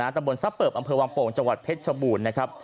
ตรงบนทรัพย์เบิบอำเภอวังโป่งจเพชรบูรณ์